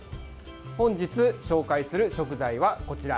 本日紹介する食材はこちら。